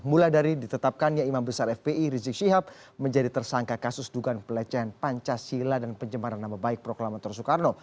mulai dari ditetapkannya imam besar fpi rizik syihab menjadi tersangka kasus dugaan pelecehan pancasila dan pencemaran nama baik proklamator soekarno